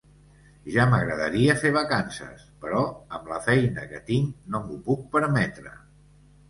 Ja m'agradaria fer vacances, però amb la feina que tinc no m'ho puc permetre.